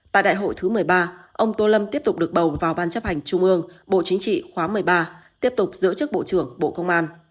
tại đại hội thứ một mươi ba ông tô lâm tiếp tục được bầu vào ban chấp hành trung ương bộ chính trị khóa một mươi ba tiếp tục giữ chức bộ trưởng bộ công an